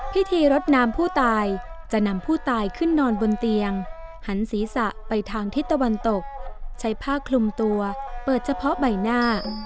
พิธีรดน้ำผู้ตายจะนำผู้ตายขึ้นนอนบนเตียงหันศีรษะไปทางทิศตะวันตกใช้ผ้าคลุมตัวเปิดเฉพาะใบหน้า